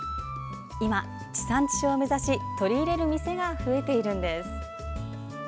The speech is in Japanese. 今、地産地消を目指し取り入れる店が増えているんです。